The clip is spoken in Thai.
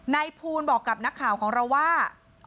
นายภูลบอกกับนักข่าวของเราว่า